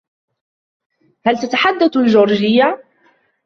هل تتحدث الجورجية؟